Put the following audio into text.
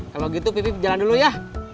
kalau gitu pipi jalan dulu ya